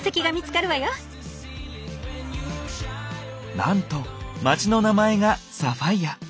なんと町の名前がサファイア。